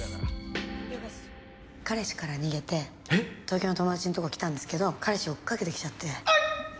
東京の友達のとこ来たんですけど彼氏追っかけてきちゃって。